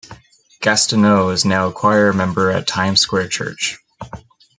Gastineau is now a choir member at Times Square Church.